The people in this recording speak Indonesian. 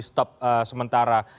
atau di stop sementara